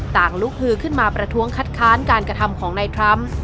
ลุกฮือขึ้นมาประท้วงคัดค้านการกระทำของนายทรัมป์